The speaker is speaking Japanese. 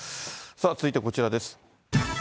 続いてこちらです。